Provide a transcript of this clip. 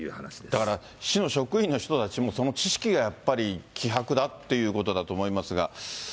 だから市の職員の人たちも、その知識がやっぱり、希薄だっていうことだと思いますが。